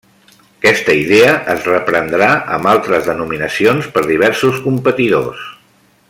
Aquesta idea es reprendrà amb altres denominacions per diversos competidors.